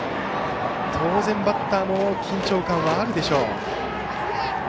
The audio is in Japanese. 当然バッターも緊張感はあるでしょう。